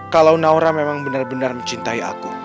kalau naura memang benar benar mencintai aku